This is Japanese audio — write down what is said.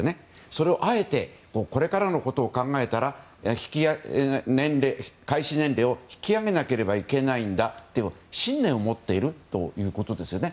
それをあえてこれからのことを考えたら受給開始年齢を引き上げなければいけないんだという信念を持っているということですよね。